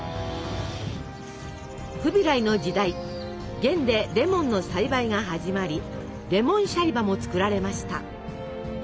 フビライの時代元でレモンの栽培が始まりレモンシャリバも作られました。